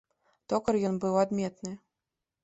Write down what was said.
Токар ён быў адметны.